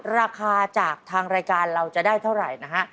ราคาจากทางรายการเราจะได้เท่าไหร่นะฮะ